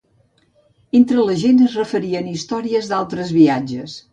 Entre la gent es referien històries d'altres viatges